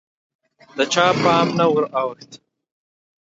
د چا پام نه وراوښت